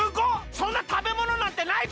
そんなたべものなんてないぞ！